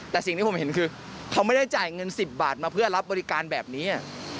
แต่สิ่งที่ผมเห็นคือเขาไม่ได้จ่ายเงิน๑๐บาทมาเพื่อรับบริการแบบนี้